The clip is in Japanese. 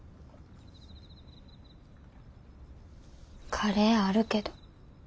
カレーあるけど。